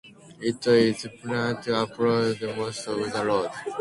It is proposed to upgrade most of this road.